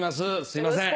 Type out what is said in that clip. すいません。